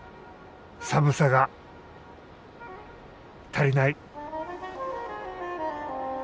寒さが足りない。